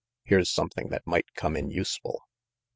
Here's something that might come in useful."